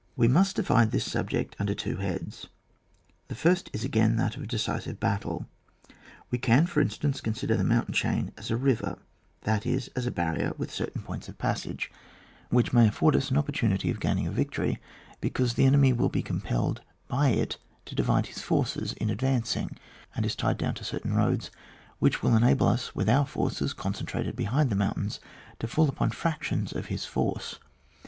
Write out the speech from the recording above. We must divide this subject under two heads. The first is again that of a decisive battle. We can, for instance, consider the mountain chain as a river, that is, as a barrier with certain points of passage, which may afford us an opportxmiiy of gaining a victory, because the enemy will be compelled by it to divide his forces in advancing, and is tied d<twn to certain roads, which will enable us with our forces concentrated behind the moun tains to fall upon fractions of his force.